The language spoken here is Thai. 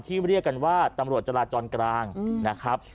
เรียกกันว่าตำรวจจราจรกลางนะครับ